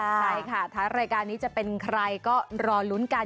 ใช่ค่ะท้ายรายการนี้จะเป็นใครก็รอลุ้นกัน